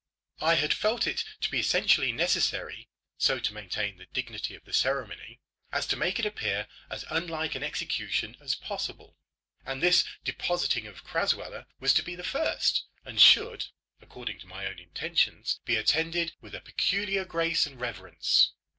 I had felt it to be essentially necessary so to maintain the dignity of the ceremony as to make it appear as unlike an execution as possible. And this depositing of Crasweller was to be the first, and should according to my own intentions be attended with a peculiar grace and reverence.